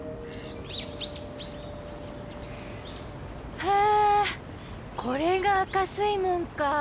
へえこれが赤水門かぁ。